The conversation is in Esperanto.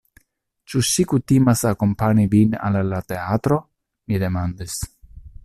Ĉu ŝi kutimas akompani vin al la teatro? mi demandis.